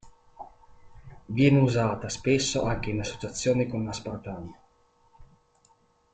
Viene usata spesso anche in associazione con l'aspartame.